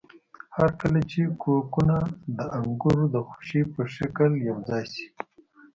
هرکله چې کوکونه د انګور د خوشې په شکل یوځای شي.